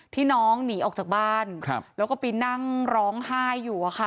ที่น้องหนีออกจากบ้านแล้วก็ไปนั่งร้องไห้อยู่อะค่ะ